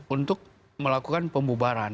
untuk melakukan pembubaran